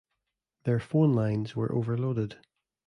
Their phone lines were overloaded.